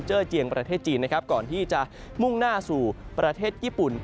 เจียงประเทศจีนนะครับก่อนที่จะมุ่งหน้าสู่ประเทศญี่ปุ่น